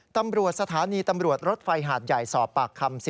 ตำรวจสถานีตำรวจรถไฟหาดใหญ่สอบปากคำ